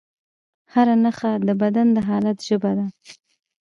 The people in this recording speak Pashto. هره نښه د بدن د حالت ژبه ده.